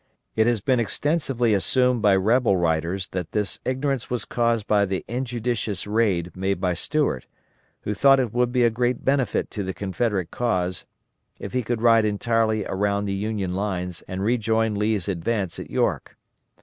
It has been extensively assumed by rebel writers that this ignorance was caused by the injudicious raid made by Stuart, who thought it would be a great benefit to the Confederate cause if he could ride entirely around the Union lines and rejoin Lee's advance at York.